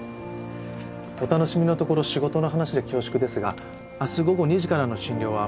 お楽しみのところ仕事の話で恐縮ですが明日午後２時からの診療は丸山さんでしたよね？